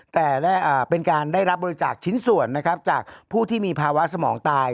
แต่เป็นการได้รับบริจาคชิ้นส่วนนะครับจากผู้ที่มีภาวะสมองตาย